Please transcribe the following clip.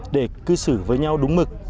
để cư xử với nhau đúng mực